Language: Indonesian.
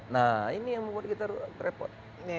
nah ini yang membuat kita repot